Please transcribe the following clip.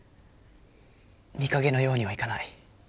美影のようにはいかない。